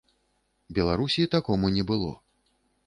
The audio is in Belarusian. Беларусі такому не было.